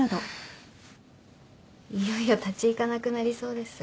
いよいよ立ち行かなくなりそうです。